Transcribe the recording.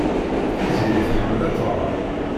Tiziri tḥemmel ad tɣer.